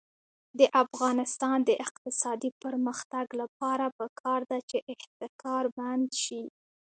د افغانستان د اقتصادي پرمختګ لپاره پکار ده چې احتکار بند شي.